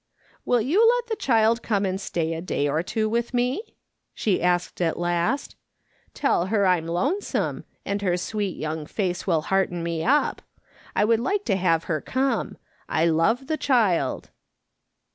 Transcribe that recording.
" Will you let the child come and stay a day or two with me?" she asked at last. "Tell her Vw\ lonesome, and her sweet young face will hearten me up. I w^ould like to have her come. I love the child."